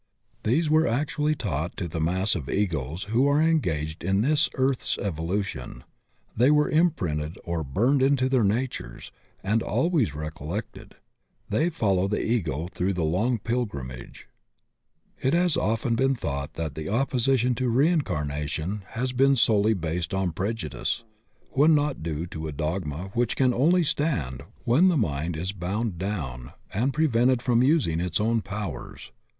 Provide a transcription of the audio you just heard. These were actually taught to the mass of Egos who are engaged in this earth's evolution; they were imprinted or burned into their natures, and always recollected; they follow the Ego through the long pilgrimage. It has been often thought that the opposition to reincarnation has been solely based on prejudice, when not due to a dogma which can only stand when the mind is bound down and prevented from using its own powers.